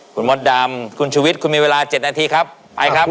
คุณมดดำคุณชุวิตคุณมีเวลา๗นาทีครับไปครับ